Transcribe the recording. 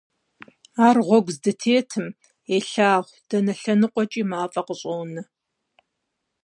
Ар гъуэгу здытетым, елъагъу: дэнэ лъэныкъуэкӀи мафӀэ къыщӀонэ.